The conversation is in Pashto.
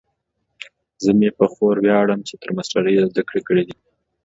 زه مې په خور ویاړم چې تر ماسټرۍ یې زده کړې کړي